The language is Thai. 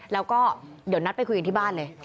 แล้วก็เดี๋ยวนัดไปคุยกันที่บ้านเลย